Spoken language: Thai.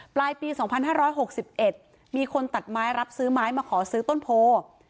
ปลายปี๒๕๖๑มีคนตัดไม้รับซื้อไม้มาขอซื้อต้นโพ